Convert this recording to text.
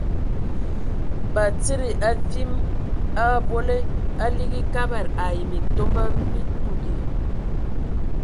Batsidi, a viimɔ a a abole, a ligi Kabad ai Mintomba mi tuugi.